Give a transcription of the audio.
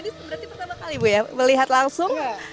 tadi pertama kali ibu ya melihat langsung